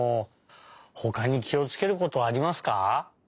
ほかにきをつけることはありますか？